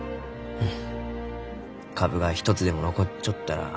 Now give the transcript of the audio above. うん。